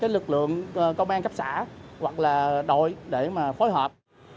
lực lượng công an cấp xã hoặc là đội để phối hợp